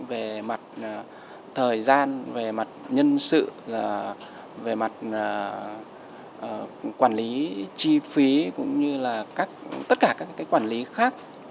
về mặt thời gian về mặt nhân sự về mặt quản lý chi phí cũng như là tất cả các quản lý khác